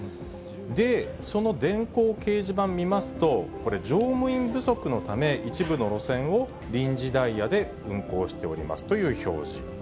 で、その電光掲示板見ますと、これ、乗務員不足のため、一部の路線を臨時ダイヤで運行しておりますという表示。